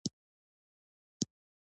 پوست میکروبونه نه پرېږدي.